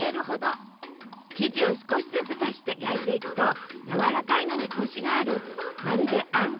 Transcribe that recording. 生地を少しずつ足して焼いていくとやわらかいのにコシがあるまるであん